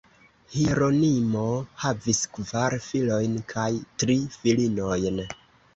Hieronimo havis kvar filojn kaj tri filinojn.